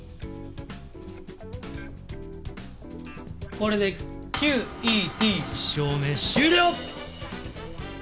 これでＱ．Ｅ．Ｄ．証明終了！